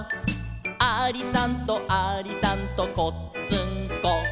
「ありさんとありさんとこっつんこ」